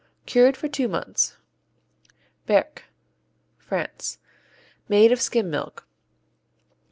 Cured for two months. Berques France Made of skim milk.